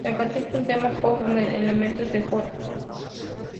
La canción es un tema pop con elementos de folk.